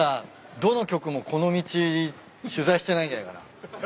どの局もこの道取材してないんじゃないかな。